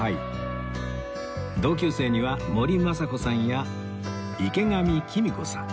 同級生には森昌子さんや池上季実子さん